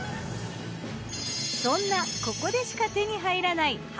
そんなここでしか手に入らない八